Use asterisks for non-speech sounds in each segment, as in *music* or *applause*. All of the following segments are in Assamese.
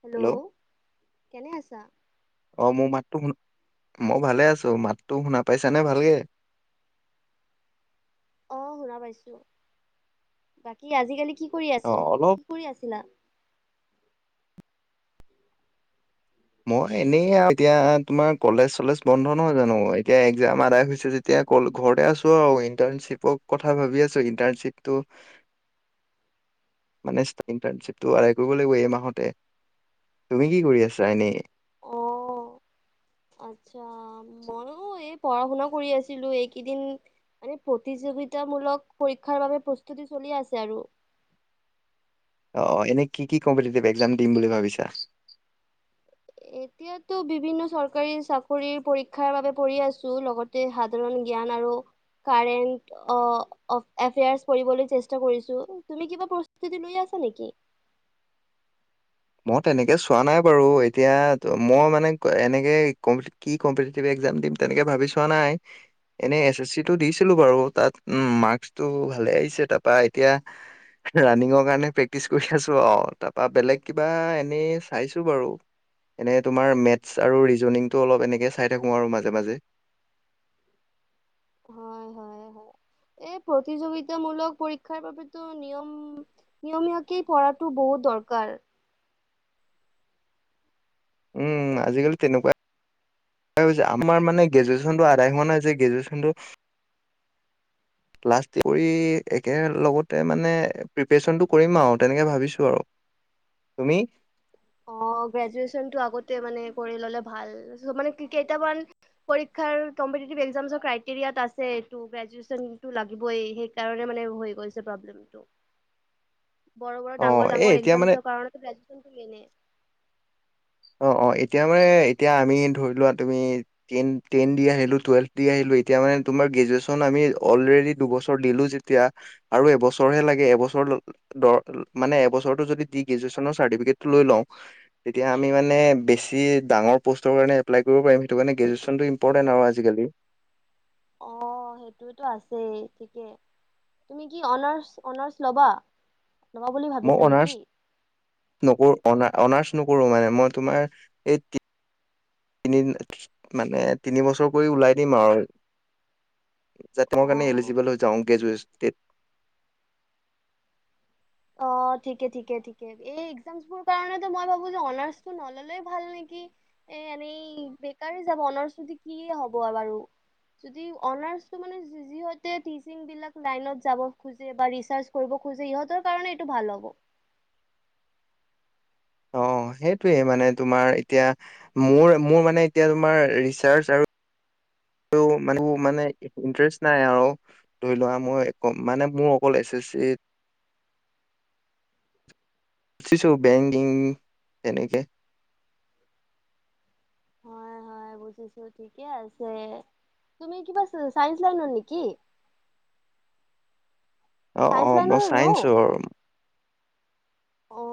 হেল্ল' কেনে আছা? টো, মই ভালে আছো মাতটো শুনা পাইছানে ভালকে? অ শুনা পাইছো, বাকী আজিকালি কি কি কৰি অ আছিল অলপ কি কৰি আছিলা? মই এনেই আৰু এতিয়া তোমাৰ কলেজ চলেজ বন্ধ নহয় জানো? এতিয়া একজাম আদায় হৈছে যেতিয়া ঘৰতে আছো আৰু ইণ্টাৰ্ণশ্বিপৰ কথা ভাবি আছো, ইণ্টাৰ্ণশ্বিপটো উ *inaudible* মানে ইণ্টাৰ্ণশ্বিপটো আদায় কৰিব লাগিব এই মাহতে। তুমি কি কৰি আছা এনে? অ। আচ্ছা, মইয়ো এই পঢ়া -শুনা কৰি আছিলো এইকেইদিন মানে প্ৰতিজ গীতামূলক পৰীক্ষাৰ বাবে প্ৰস্তুতি চলি আছে আৰু। অ এনেই কি কি কম্পিটিটিভ এক্সাম দিম বুলি ভাবিছা? এতিয়াতো বিভিন্ন চৰকাৰী চাকৰি পৰীক্ষাৰ বাবে পৰিঢ় আছো লগতে সাধাৰণ জ্ঞান আৰু। কাৰেনট এফেএৰ অ পঢ়িবলৈ চেষ্টা কৰি আছোঁ। তুমি কিবা পঢ়ি আ নেকি? মই তেনেকে চোৱা নাই বাৰু এতিয়া মই মানে এনেকে কমট কি কমপিটিটিভ এ জাম দিম তেনেকে ভাবি চোৱা নাই? এনেই এছ এছ চিটো দিছিলো বাৰু, তাত উম মাৰ্কচটো ভালে আহিছে তাৰপৰা এতিয়া ৰানিঙৰ কাৰণে প্ৰেক্টিচ কৰি আছো আৰু তাৰপা বেলেগ কিবা এনেই চাইছো বাৰু। এনে তোমাৰ মেথছ আৰু ৰিজনিংটো অলপ এনেকে চাই থাকোঁ আৰু মাজে মাজে। হয় হয়। হয় এই প্ৰতিযোগিতামূলক পৰীক্ষাৰ বাবেতো নিয়ম নিয়মীয়াকেই পঢ়াটো বহুত দৰ কাল উম আজিকালি তেনেকুৱা আমাৰ মানে গ্ৰেজুৱেশ্যনটো আদায় হোৱা নাই যে গ্ৰেজুৱেশ্যনটো ক্লাষ্ট কৰি একেলগতে মানে প্ৰিপেৰেচনটো কৰিম আৰু তেনেকে ভাবিছো আৰু। তুমি? অ গ্ৰেজুৱেচনটো আগতে মানে কৰি ললে ভাল, মানে কেইটামান পৰীক্ষাৰ কম্পিটিটিভ একজামছৰ ক্ৰাইটেৰিয়াত আছে টো গ্ৰেজুৱেনটো লাগিবই সেইকাৰণে মা নে হৈ গৈছে প্ৰব্লেমটো। বৰ -বৰ অ ডাঙৰ এ -ডাঙৰ এতিয়া মানে একজামছৰ কাৰনে গ্ৰেজুৱেচনটো *inaudible* অ অ এতিয়া মানে এতিয়া আমি ধৰি লোৱা তুমি টেন টেন দি আহিলো টুৱেল্ভ দি আহিলো তেতিয়া মানে তোমাৰ গ্ৰেজুৱেচন আমি অলৰেদি দুবছৰ দিলো যেতিয়া আৰু এবছৰে লাগে এবছ টোৰ দৰ মানে এবছৰত যদি গ্ৰেজুৱেচনৰ চাৰ্টিফিকেট টো লৈ লও তেতিয়া আমি মানে বেছি ডাঙৰ প'ষ্টৰ কাৰণে এপ্লাই কৰিব পাৰিম সেইটো কাৰণে গ্ৰেজুৱেচনটো ইম্পৰ্টেন্ট আৰু আজিকালি। অ সেইটোতো আছেই ঠিকেই। তুমি কি অনাৰ্চ অনাৰ্চ ল'বা? ল'বা বুলি মই ভাবিছা নেকি অনাৰ্চ নকৰো অনা অনাৰ্চ নকৰো মানে মই তোমাৰ এই তি তিনি মানে তিনি বছৰ কৰি ওলাই দিম আৰু। যাতে মোৰ কাৰণে অ এলিজিবল হৈ যাওঁ গ্ৰেজুৱেচ গে *inaudible* অ ঠিকে ঠিকে ঠিকে এই একজামচবোৰ কাৰনে মই ভাবো যে অনাৰ্চটো নললেই ভাল নেকি? কি, এ এনেই বেকাৰে যাব অনাশ্ৰুতি কি হব বাৰু? অনাৰ্ছটো মানে যি যি হৈতে টিছিং বিলাক লাইনত যাব খোজে বা ৰিচাৰ্চ কৰিব খোজে ইহঁতৰ কাৰণে এইটো ভাল হ'ব। অ সেইটোৱে মানে তোমাৰ এতিয়া মোৰ মোৰ মানে এতিয়া তোমাৰ ৰিচাৰ্চ আৰু *inaudible* মোৰ মানে ইন্টাৰেষ্ট নাই আৰু ধৰি লোৱা মই মানে মোৰ অকল এছ এছ চিত *inaudible* *unintelligible* বেংকিং তেনেকে হয় হয় বুজিছো ঠিকে আছে তুমি কিবা চাইন্স লাইন নেকি *unintelligible* অ অ চাইন্স মই লাইনৰ ন? চাইন্সৰ অ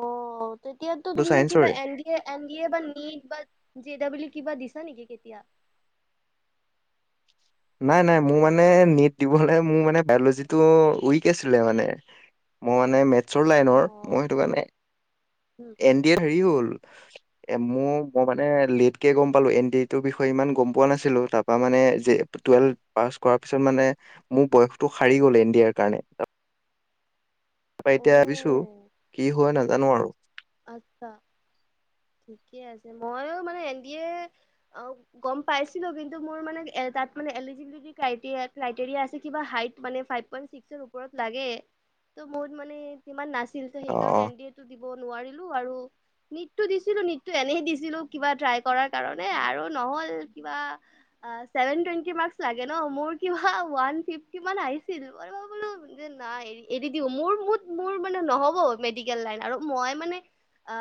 তেতিয়াতো টো তুমি কিবা চাইন্সৰে N D A, N D A বা নিট বা জি দাবলিত। কিবা দিছা নেকি কেতিয়া? নাই নাই মোৰ মানে নীট দিবলৈ মোৰ মানে বায়লজিটো উইক আছিলে মানে। মই মানে মেথছৰ লাইনৰ। মই অ সেইটো কাৰণে উম, এন ডি এত হেৰি হ'ল। *unintelligible* এ মোৰ মই মানে লেট কে গম পালো এন ডি এৰ বিষয়ে ইমান গম পোৱা নাছিলো। তাপা মানে যে টুৱেলভ পাছ কৰাৰ পিছত মানে মোৰ বয়সটো সাৰি গ'ল এন ডি এ ৰ কাৰণে। তাপা এতিয়া ভাবিছো, অ কি হয় নাজানো আৰু। আচ্ছা। ঠিকে আছে মইও মানে এতিয়াই গম পাইছো কিন্তু মোৰ মানে এ তাত মানে এলিজিবিলিতী কাইটিয়া ফ্লাইটেৰিয়া আছে। কিবা হাইত মানে ফাইভ পইন্ট ছিক্স ৰ উপৰত লাগে। ত মত মানে ইমান নাছিল। ত অ সেইকাৰণে এন অ ডি এটো দিব নোৱাৰিলো। আৰু নীটটো দিছিলো নীটটো এনে দিছিলো। কিবা ট্ৰাই কৰাৰ কাৰণে আৰু নহল কিবা। ছেভেন টুৱেণ্টি মাৰ্ক্স লাগে ন। মোৰ কিবা ওৱান ফিফটি মান আহিছিল *unintelligible* নাই এৰি দিওঁ। মোৰ মুত মোৰ মানে নহ'ব মেডিকেল লাইন আৰু মই মানে অ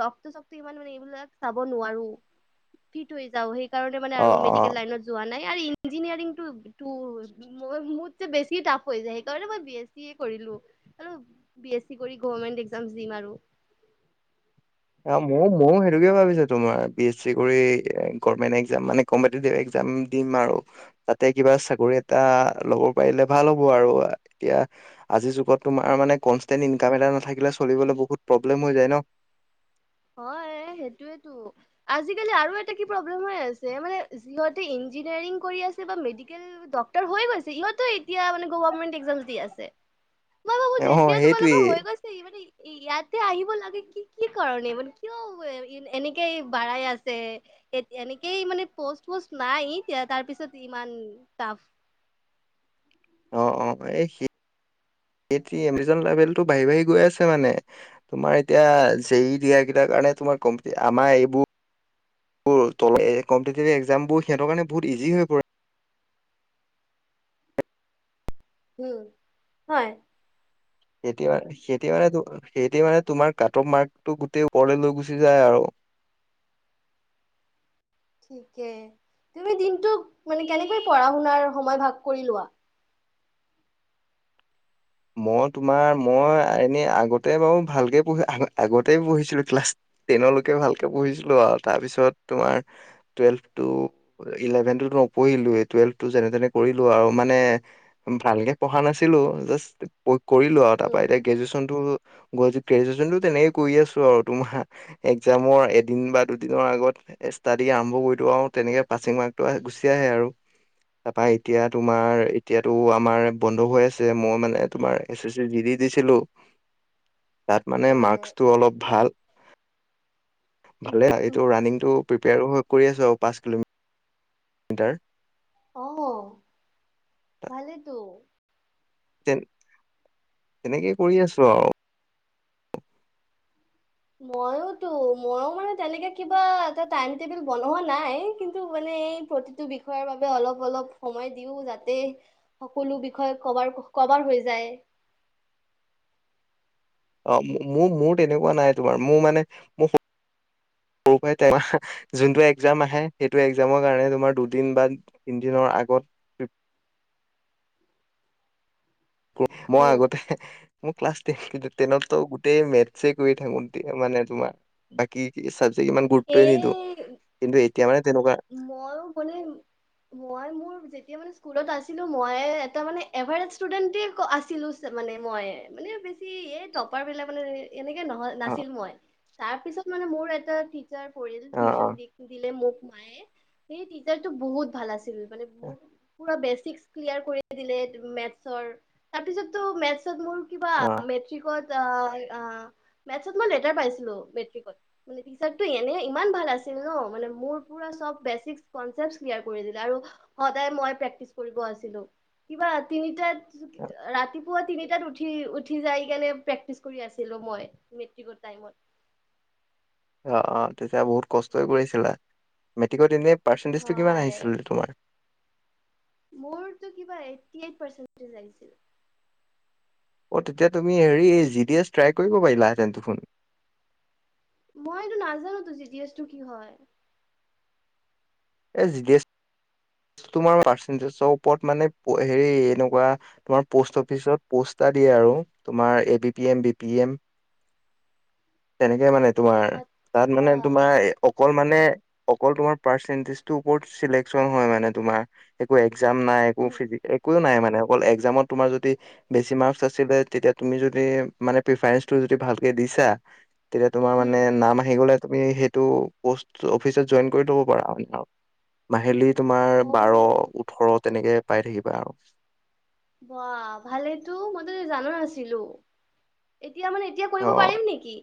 ৰক্ত চক্ত ইমান মানে এইবিলাক চাব নোৱাৰো। ফিট হৈ যাও সেই কাৰণে মানে অ আৰু অ মেডিকেল লাইনত যোৱা নাই। ইয়াৰ ইঞ্জিনিয়াৰিং টো টো মই মুট চে বেছি টাফ হৈ যায়। সেইকাৰণে মই বি এছ চি এ কৰিলো। আৰু বি এছ চি কৰি গৱৰ্মেন্ত একজাম দিম আৰু। অ ময়ো ময়ো সেইটোকে ভাবিছো তোমাৰ বি এছ চি কৰি গভমেণ্ট একজাম মানে কম্পটিভ একজাম। দিম আৰু তাতে কিবা চাকৰি এটা ল'ব পাৰিলে ভাল হ'ব আৰু এতিয়া আজিৰ যুগত তোমাৰ মানে কনচটেণ্ট ইনকাম এটা নাথাকিলে চলিবলৈ বহুত প্ৰব্লেম হৈ যায় ন। *unintelligible* হয় সেইটোয়েটো। আজিকালি আৰু এটা কি প্ৰব্লেম আছে মানে। যিহতে ইঞ্জিনিয়াৰিং কৰি আছে বা মেডিকেল, ডক্টৰ হৈ গৈছে। সিহঁতেও এতিয়া মানে গভাৰমেণ্ট একজাম দি আছে। মই ভাবো অ যেতিয়া সেইটোৱেই তোমালোকৰ হৈ গৈছে ইমানে ই ইয়াতে আহিব লাগে কি কি কাৰণে মানে। কিয় এনেকেই বাঢ়াই আছে এ এনেকেই মানে পষ্ট পষ্ট নাই। এয়া তাৰ পিছত ইমান তাফ। অ অ এ হি এটি এভিজন লেবেলটো বাঢ়ি বাঢ়ি গৈ আছে মানে। তোমাৰ এতিয়া জেৰি দিয়া কেইটা। কাৰণে তোমাৰ কমটি আমাৰ এইবু বো কম্পিটিটিভ এক্সামবো সিহঁতৰ কাৰণে বহুত ইজি হৈ পৰে। উম হয়। সেইতিয়াৰ সেইতিয়াৰে ত সেইটিয়াৰ মানে তোমাৰ কাট অফ মাৰ্কটো গোটেই ওপৰলে লৈ গুচি যায় আৰু। *unintelligible* থিকে। তুমি দিনটোক মানে কেনেকৈ পঢ়া শুনাৰ সময় ভাগ কৰি লোৱা? মই তোমাৰ মই এনে আগতে বাৰু ভালকে পঢ়ি আগ আগতে পঢ়িছিলো। ক্লাছ টেনলৈকে ভালকে পঢ়িছিলো আৱ। তাৰপিছত তোমাৰ টোৱেলভটো ইলেভেনটো নপঢ়িলোৱে। টুৱেলভ টো যেনে তেনে কৰিলো আৱ মানে ভালকে পঢ়া নাছিল। জাস্ত কৰিলো আৱ তাপা উম এতিয়া গ্ৰেজুৱেশ্যনটো গ গ্ৰেজুৱেচনটো তেনেকে কৰি আছো আউ তোমাৰ একজামৰ এদিন বা দুদিনৰ আগত। এ ষ্টাডি আৰম্ভ কৰিদিও আউ তেনেকে পাছিং মাৰ্কটো আহ গুচি আহে আৰু। তাপা এতিয়া তোমাৰ এতিয়াতো আমাৰ বন্ধ হৈ আছে। মই মানে তোমাৰ S S C G D দিছিলো। তাত মানে হয় মাৰ্কচটো অলপ ভাল ভালে এইটো ৰাণিংটো প্ৰিপেয়াৰো কৰি আছো আৰু পাঁচ কিলো মিটাৰ। অ ভালেতো তে তেনেকে কৰি আছোঁ আৰু। মইতো মইয়ো মানে তেনেকে কিবা এটা টাইম টেবুল বনোৱা নাই। কিন্তু মানে প্ৰতিটো বিষয়ৰ বাবে অলপ অলপ সময় দিওঁ যাতে সকলো বিষয়ে কবাৰ কভাৰ হৈ যায়। অ মোৰ মোৰ তেনেকুৱা নাই তোমাৰ মোৰ মানে মোৰ সৰু পৰাই তোমাৰ যোনটো একজাম আহে সেইটো এক্জামৰ কাৰণে তোমাৰ দুদিন বা তিনদিন। অ আগত। *inaudible* মই আগতে এহে। মোৰ ক্লাছ টেন কিন্তু টেনতো গোটেই মেথ কৰি থাকোঁ মানে তোমাৰ বাকী। ইমান গুৰুত্বয়ে নিদিওঁ সেয়ে কিন্তু এতিয়া মানে তেনেকুৱা্ মইও মানে। মই মোৰ যেতিয়া মানে স্কুলত আছিলোঁ। মই এটা মানে এভাৰেষ্ট ষ্টুডেন্ট আছিলোঁ। মানে মই মানে বেছি এই টপাৰ বিলাক মানে। এনেকে নহ অ নাছিল মই তাৰ পিছত মানে মোৰ এটা টি অ অ টিউশচন দিলে মোক মায়ে সেই টিচাৰ টো বহুত ভাল আছিল। মানে মোক পুৰা বেচিক্স ক্লিয়াৰ কৰি দিলে মেথচৰ তাৰ পিছত ত মেথচত। ত মোৰ কিবা অ মেট্ৰিকত। ত মেথচত মই লেটাৰ পাইছিলোঁ মেট্ৰিকত মে টিচাৰটো এনে ইমান ভাল আছিল। এনেকুৱা মানে মোৰ পুৰা চব। বেক্সিচ কনচেপ্ট ক্লিয়াৰ কৰি দিলে। আৰু মই প্ৰেকটিচ কৰিব আছিলোঁ। কিবা তিনিটা ৰাতিপুৱা পুৱা তিনিটাত উঠি উঠি যাই কেনে প্ৰেক্টিচ কৰি আছিলোঁ মই মেট্ৰিকৰ টাইমত। *unintelligible* অ অ তেতিয়া বহুত কষ্টই কৰিছিলা। মেট্ৰিকত এনেই পাৰ্চেন্টেজ টো কিমান আহিছিলে তোমাৰ? মোৰত কিবা এইটি এইট পাৰ্চেন্টেজ আহিছে। অ তেতিয়া তুমি হেৰি এই জি ডি এছ ট্ৰাই কৰিব পাৰিলাহেঁতেন দেখোন। মই এইটো নাজানো তো জি ডি এছটো কি হয়? এ জি ডি এছ তোমাৰ পাৰ্চেন্টেজ ওপৰত মানে হেৰি এনেকুৱা তোমাৰ পষ্ট অফিচত পষ্ট দিয়ে আৰু তোমাৰ A B P M B P M. *unintelligible* তেনেকে মানে তোমাৰ তাত আচ্ছা মানে তোমাৰ অকল মানে অকল তোমাৰ পাৰ্চেন্টেজ টোৰ ওপৰত শ্লেকচন হ'য় তোমাৰ সেইটোৱেই। একজাম নাই একো উম ফিজ একো নাই মানে। একাজমত তোমাৰ যদি বেছি মাৰ্ক আছিলে, তেতিয়া তুমি যদি মানে প্ৰিফাৰেনচ যদি ভালকে দিছা তেতিয়া তোমাৰ উম মানে নাম আহি গ'লে। তুমি সেইটো পষ্ট অফিচত জইন কৰি ল'ব পাৰা। মাহিলিত তোমাৰ বাৰ অ' ওঠৰ তেনেকে পাই থাকিবা আৰু। বা ভালেইটো মইতো জানাই নাছিলোঁ। এতিয়া মানে এতিয়া কৰিব অ', পাৰিম নেকি?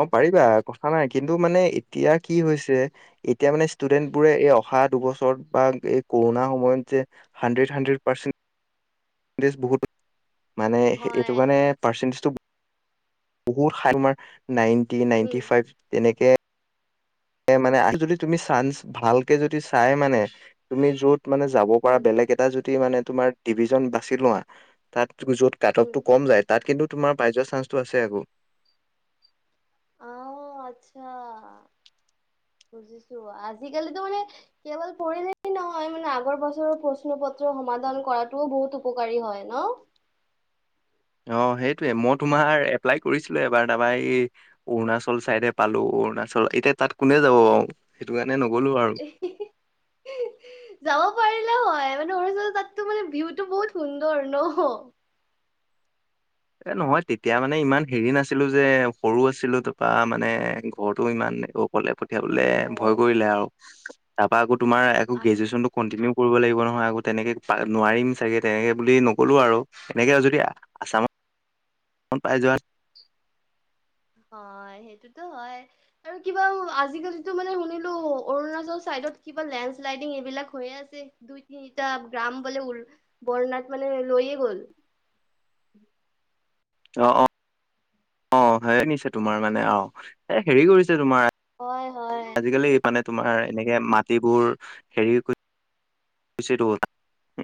অ পাৰিবা কথা নাই কিন্তু মানে এতিয়া কি হৈছে এতিয়া মানে ষ্টুডেন্ট বোৰে এই অহা দুবছৰত বা এই কৰোণাৰ সময়ত যে হাণ্ড্ৰেড হাণ্ড্ৰেড পাৰ্চেন্টেজ। বহু মানে হয় এইটো কাৰণে পাৰ্চণ্টেজটো বহুত তোমাৰ নাইনটি উম নাইনটি ফাইভ তেনেকে মানে আৰু যদি তুমি চাঞ্চ ভালকে যদি চাই মানে তুমি যত মানে যাব পৰা উম, বেলেগ এটা যদি মানে তোমাৰ ডিভিজন বাছি লোৱা তাত য'ত উম। কাটপটো কম যায় তাত কিন্তু তোমাৰ পাই যোৱা চান্সটো আছে আকৌ। অহ, আচ্ছা। বুজিছো আজিকালিতো মানে কেৱল পঢ়িলে নহয় মানে আগৰ বছৰৰ প্ৰশ্ন পত্ৰ সমাধান কৰাটোও বহুত উপকাৰী হয় ন'? অহ, সেইটোৱে মই তোমাৰ এপ্লাই কৰিছিলো এবাৰ তাৰপা এই অৰুণাচল চাইডে পালো। অৰুণা চল এতিয়া তাত কোনে যাব সেইটো কাৰণে নগলো আৰু। যাব পাৰিলা হয় মানে অৰুণাচল তাততো মানে ভিউটো বহুত সুন্দৰ ন', *inaudible* এ নহয় তেতিয়া মানে ইমান হেৰি নাছিলো যে, সৰু আছিলো তাপা মানে ঘৰটো ইমান অ অকলে পঠিয়াবলে ভয় অ'। কৰিলে আও তাৰপা গোট তোমাৰ একো আৰু গ্ৰেজুৱেশ্যনটো কণ্টিনিউ কৰিব লাগিব ন। নহয় আকৌ তেনেকে নোৱাৰিম চাগে তেনেকে বুলি নগলো আৰু এনেকে যদি আচামত মন পাই যোৱাত *unintelligible* হয়, সেইটোতো হয় আৰু কিবা আজিকালিতো মানে শুনিলো অৰুণাচল চাইদ কিবা লেণ্ড শ্লাইডিং এইবিলাক হৈ আছে দুই, তিনিটা গ্ৰাম বোলে *unintelligible* লৈয়ে গ'ল। অ', -অ', - অ', ভাৱে নিছে তোমাৰ মানে আও এ হেৰি কৰিছে তোমাৰ হয়, হয়। *inaudible* আজিকালি এই মানে তোমাৰ এনেকে মাটিবোৰ হেৰি কোচিটো হ'ল।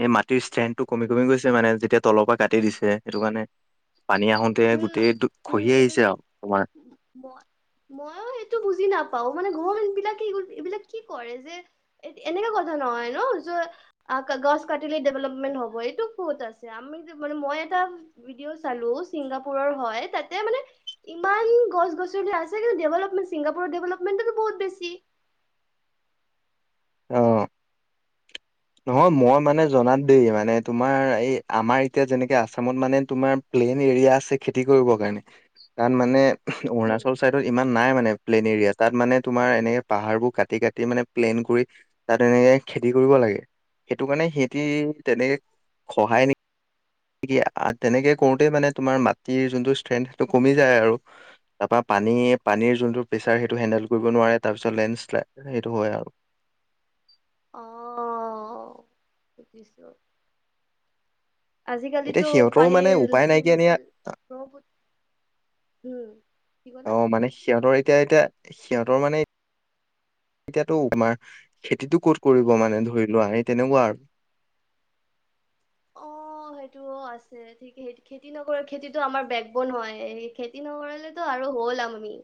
এই মাটিৰ ষ্ট্ৰেন্থটো কমি কমি গৈছে মানে যেতিয়া তলৰ পৰা কাটি দিছে সেইটো কাৰণে পানী আহোতে উম, গোটেই উম, খহি আহিছে এইবিলাক আৰু তোমাৰ মই ময়ো সেইটো বুজি নাপ- পাওঁ মানে গভৰমেন্ট বিলাকে এই এইবিলাক কি কৰে যে, এনেকা কথা নহয় ন' য গছ কাটিলে ডেভলপমেন্ট হ'ব এইটো ক'ত আছে আমি মানে মই এটা ভিডিঅ' চালো ছিংগাপুৰৰ হয় তাতে মানে ইমান গছ -গছনি আছে কিন্তু ডেভলপমেণ্ট ছিংগাপুৰত ডেভলপমেণ্টটো বহুত বেছি *inaudible* অহ নহয় মই মানে জনাত দেই মানে তোমাৰ এই আমাৰ এতিয়া যেনেকে আছামত মানে তোমাৰ প্লেন এৰিয়া আছে খেতি কৰিবৰ কাৰণে তাত মানে উম, অৰুণাচল চাইদৰ ইমান নাই মানে প্লেইন এৰিয়া তাত মানে তোমাৰ এনেকে পাহাৰ বোৰ কাটি -কাটি মানে প্লেইন কৰি তাত এনেকে খেতি কৰিব লাগে সেইটো কাৰণে সিহঁতি তেনেকে খহায় নি কি তেনেকে কৰোতে মানে তোমাৰ মাটিৰ যোনটো ষ্ট্ৰেংথ সেইটো কমি যায় আৰু তাৰপা পানী- পানীৰ যোনটো প্ৰেচাৰ সেইটো হেণ্ডেল কৰিব নোৱাৰে তাৰ পিছত লেণ্ড শ্লাইড সেইটো হয় আও। *inaudible* অহ *unintelligible* এতিয়া আজিকালিটো সিহঁতৰো মানে পানীৰ উপায় নাইকিয়া নিয়া চিলেবেল ব্ৰহ্মপু *unintelligible* হম অহ, মানে সিহঁতৰ এতিয়া -এতিয়া সিহঁতৰ মানে এতিয়াতো তোমাৰ খেতিটো ক'ত কৰিব মানে ধৰি লোৱা সেই তেনেকুৱা আৰ অহ অহ, সেইটোও আছে ঠিক সেই খেতি নকৰে খেতিটো আমাৰ বেক বন হয় খেতি নকৰালেতো আৰু হ'ল আমনি